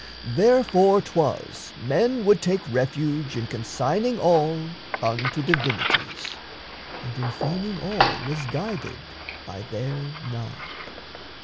Therefore 'twas Men would take refuge in consigning all Unto divinities, and in feigning all Was guided by their nod.